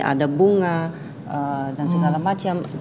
ada bunga dan segala macam